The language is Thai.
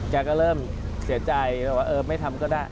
แกก็เริ่มเสียใจแบบว่าเออไม่ทำก็ได้